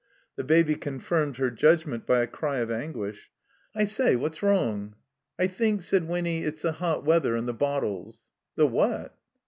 The Baby confirmed her judgment by a cry of anguish. "I say, what's wrong?" "I think," said Winny, "it's the hot weather and the bottles." "The what?"